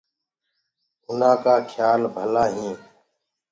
اُنآ ڪآ کيِآ ڀلآ هينٚ۔